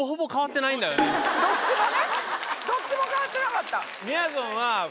どっちもねどっちも変わってなかった。